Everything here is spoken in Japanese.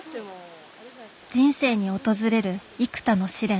人生に訪れる幾多の試練。